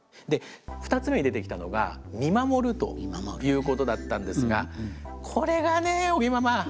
２つ目に出てきたのが見守るということだったんですがこれがね尾木ママ。